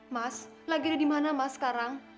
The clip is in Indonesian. mas lagi ada di mana mas sekarang